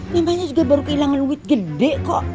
memangnya juga baru kehilangan wit gede kok